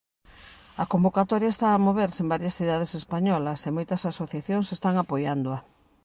A convocatoria está a moverse en varias cidades españolas e moitas asociacións están apoiándoa.